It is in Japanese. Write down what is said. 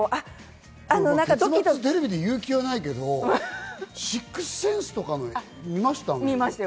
結末、テレビで言う気はないけど、『シックス・センス』とか見ました？